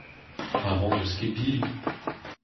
Amañ n'eus ket bili.